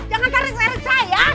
jangan karek karek saya